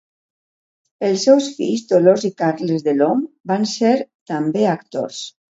Els seus fills, Dolors i Carles Delhom, van ser també actors.